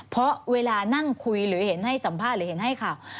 เพราะเวลานั่งคุยหรือเห็นให้สัมภาษณ์หรือเห็นให้ข่าว